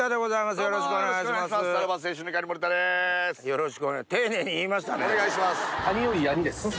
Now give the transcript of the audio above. よろしくお願いします。